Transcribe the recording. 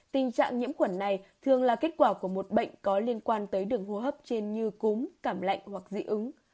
tình trạng nhiễm khuẩn này thường là kết quả của một bệnh có liên quan tới đường hô hấp trên như cúm cảm lạnh hoặc dị ứng